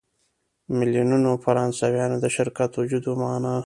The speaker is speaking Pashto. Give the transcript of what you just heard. میلیونونو فرانسویانو د شرکت وجود ومانه.